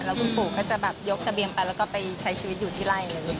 แล้วคุณปู่ก็จะแบบยกเสบียงไปแล้วก็ไปใช้ชีวิตอยู่ที่ไล่เลย